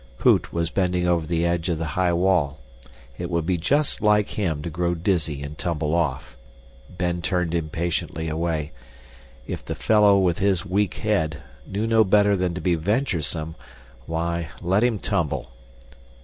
Poot was bending over the edge of the high wall. It would be just like him to grow dizzy and tumble off. Ben turned impatiently away. If the fellow, with his weak head, knew no better than to be venturesome, why, let him tumble.